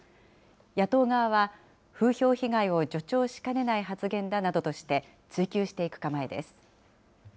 野党側は、風評被害を助長しかねない発言だなどとして、追及していく構えです。